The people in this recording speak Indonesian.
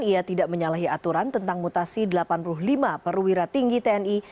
ia tidak menyalahi aturan tentang mutasi delapan puluh lima perwira tinggi tni